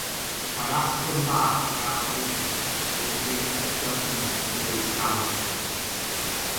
Mae'r asgwrn bach siâp einion yn un o dri esgyrnyn yn y glust ganol.